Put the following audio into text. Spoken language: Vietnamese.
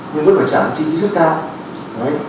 nhưng vẫn phải trả một chi tiết rất cao